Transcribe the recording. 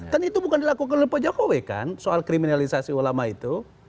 kan itu bukan dilakukan oleh pak jokowi kan soal kriminalisasi ulama itu